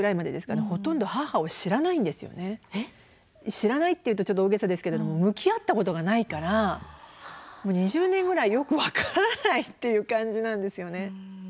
知らないって言うとちょっと大げさですけれども向き合ったことがないからもう２０年ぐらいよく分からないっていう感じなんですよね。